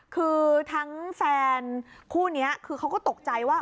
คือทั้งแฟนคู่นี้คือเขาก็ตกใจว่า